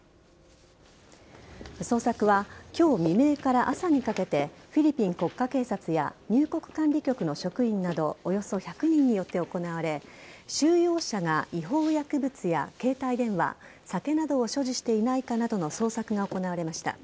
捜索はきょう未明から朝にかけて、フィリピン国家警察や入国管理局の職員などおよそ１００人によって行われ、収容者が違法薬物や携帯電話、酒などを所持していないかなどの捜索が行われました。